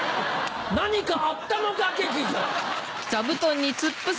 何かあったのか劇場！